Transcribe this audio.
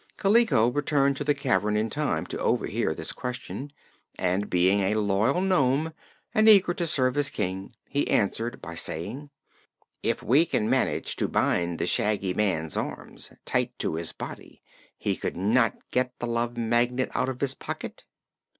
Kaliko returned to the cavern in time to overhear this question, and being a loyal nome and eager to serve his King, he answered by saying: "If we can manage to bind the Shaggy Man's arms, tight to his body, he could not get the Love Magnet out of his pocket."